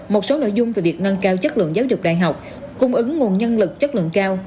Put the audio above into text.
một số nội dung về việc nâng cao chất lượng giáo dục đại học cung ứng nguồn nhân lực chất lượng cao